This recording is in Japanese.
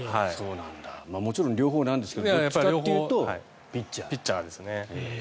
もちろん両方なんですけどどっちかというとピッチャー。